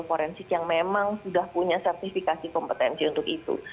forensik yang memang sudah punya sertifikasi kompetensi untuk itu